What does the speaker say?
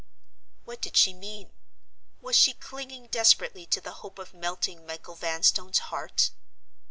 What did she mean? Was she clinging desperately to the hope of melting Michael Vanstone's heart?